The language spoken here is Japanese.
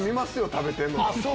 食べてんの。